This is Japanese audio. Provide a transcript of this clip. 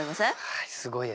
はいすごいです。